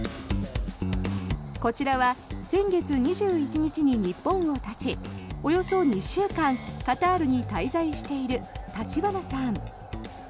こちらは先月２１日に日本を発ちおよそ２週間カタールに滞在している立花さん。